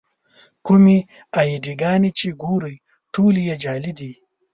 کومې اې ډي ګانې چې ګورئ ټولې یې جعلي دي.